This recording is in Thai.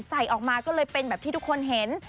ใส่ออกมาก็เลยเป็นแบบที่ทุกคนเห็น